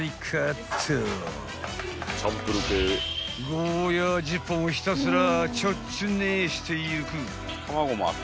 ［ゴーヤー１０本をひたすらちょっちゅねしていく］